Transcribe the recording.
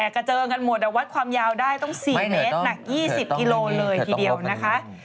กระเจิงกันหมดวัดความยาวได้ต้อง๔เมตรหนัก๒๐กิโลเลยทีเดียวนะคะ